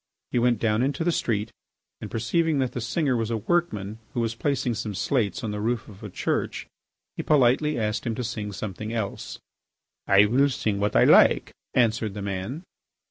He went down into the street, and, perceiving that the singer was a workman who was placing some slates on the roof of a church, he politely asked him to sing something else. "I will sing what I like," answered the man.